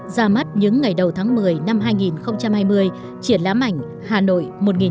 ra mắt những ngày đầu tháng một mươi năm hai nghìn hai mươi triển lãm ảnh hà nội một nghìn chín trăm sáu mươi bảy một nghìn chín trăm bảy mươi năm